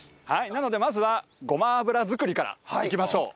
なのでまずはごま油作りからいきましょう。